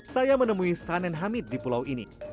saya menemui sanen hamid di pulau ini